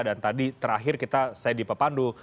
dan tadi terakhir saya di pak pandu